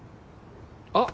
あっ。